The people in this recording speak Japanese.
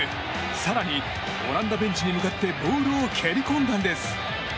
更に、オランダベンチに向かってボールを蹴り込んだんです。